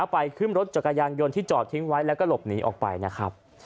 ไปขึ้นรถจักรยานยนต์ที่จอดทิ้งไว้แล้วก็หลบหนีออกไปนะครับ